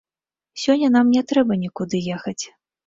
Сёння нам не трэба нікуды ехаць.